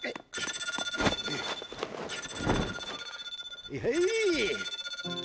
☎はいはい。